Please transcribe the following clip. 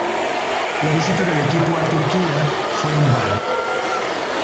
La visita del equipo a Turquía fue en vano.